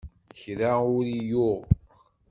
Kra ur i-yuɣ.